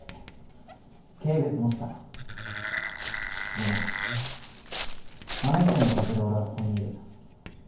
でもあの人のおかげで俺はここにいる